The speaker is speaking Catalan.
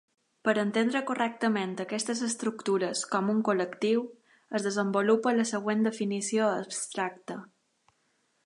Per entendre correctament aquestes estructures com un col·lectiu, es desenvolupa la següent definició abstracta.